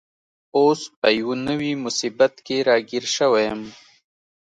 اوس په یوه نوي مصیبت کي راګیر شوی یم.